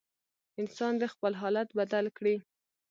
انسان دې خپل حالت بدل کړي.